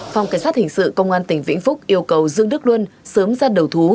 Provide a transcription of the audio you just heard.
phòng cảnh sát hình sự công an tỉnh vĩnh phúc yêu cầu dương đức luân sớm ra đầu thú